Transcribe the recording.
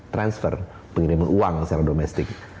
transfer pengiriman uang secara domestik